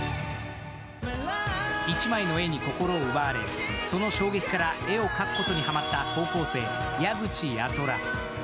１枚の絵に心を奪われてその衝撃から絵を描くことにハマった高校生・矢口八虎。